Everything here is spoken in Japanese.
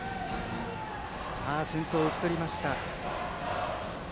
先頭を打ち取りました。